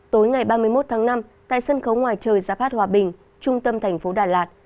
tối ngày ba mươi một tháng năm tại sân khấu ngoài trời giáp bát hòa bình trung tâm thành phố đà lạt